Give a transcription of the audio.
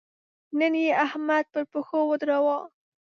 نن يې احمد پر پښو ودراوو.